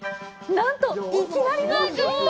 なんと、いきなりのヒット！？